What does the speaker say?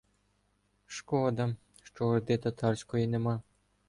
— Шкода, що орди татарської нема.